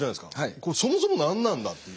これそもそも何なんだっていう。